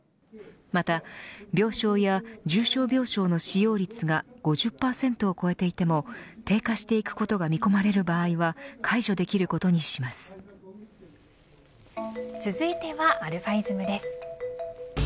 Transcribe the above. また、病床や重症病床の使用率が５０％を超えていても低下してくことが見込まれる場合は続いてはαｉｓｍです。